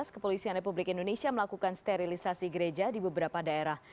kepolisian republik indonesia melakukan sterilisasi gereja di beberapa daerah